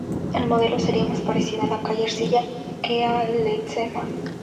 El modelo sería más parecido a la calle Ercilla que a Ledesma.